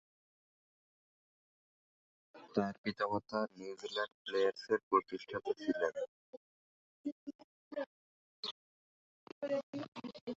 তার পিতামাতা নিউজিল্যান্ড প্লেয়ার্সের প্রতিষ্ঠাতা ছিলেন।